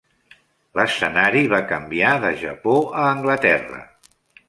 L'escenari va canviar de Japó a Anglaterra.